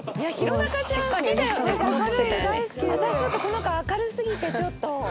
私ちょっとこの子明るすぎてちょっと。